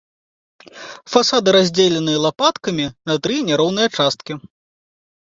Фасады раздзеленыя лапаткамі на тры няроўныя часткі.